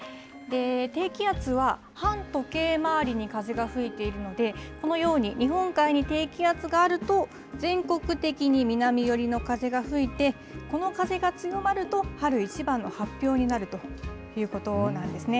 低気圧は反時計回りに風が吹いているので、このように、日本海に低気圧があると、全国的に南寄りの風が吹いて、この風が強まると、春一番の発表になるということなんですね。